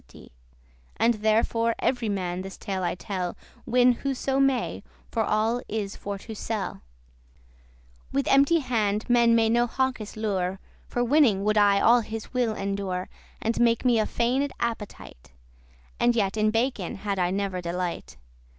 * *folly <17> And therefore every man this tale I tell, Win whoso may, for all is for to sell; With empty hand men may no hawkes lure; For winning would I all his will endure, And make me a feigned appetite, And yet in bacon* had I never delight: *i.